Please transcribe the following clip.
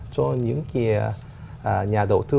cho những nhà đầu tư